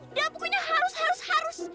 udah pokoknya harus harus harus